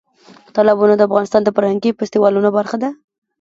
تالابونه د افغانستان د فرهنګي فستیوالونو برخه ده.